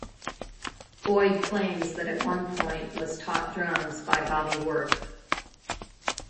Boyd claims that at one point was taught drums by Bobby Worth.